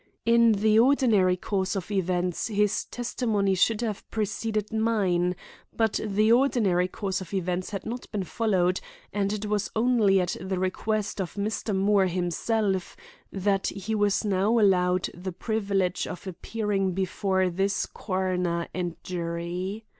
In the ordinary course of events his testimony should have preceded mine, but the ordinary course of events had not been followed, and it was only at the request of Mr. Moore himself that he was now allowed the privilege of appearing before this coroner and jury.